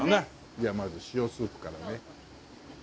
じゃあまず塩スープからね。